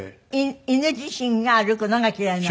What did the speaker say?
犬自身が歩くのが嫌いなの？